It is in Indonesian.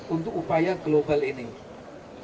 untuk upaya global ini